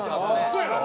そやろ？